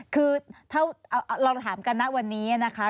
คือถ้าเราถามกันนะวันนี้นะคะ